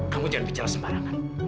kamu jangan bicara sembarangan